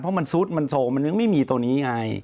เพราะมันซุดมันโซมันยังไม่มีตัวนี้ไง